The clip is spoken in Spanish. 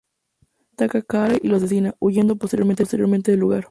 Hyde ataca a Carew y lo asesina, huyendo posteriormente del lugar.